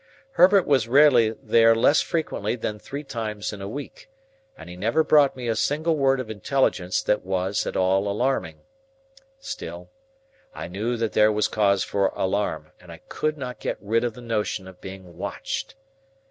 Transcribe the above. Herbert was rarely there less frequently than three times in a week, and he never brought me a single word of intelligence that was at all alarming. Still, I knew that there was cause for alarm, and I could not get rid of the notion of being watched.